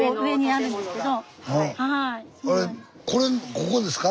あれここですか？